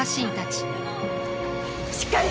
しっかり！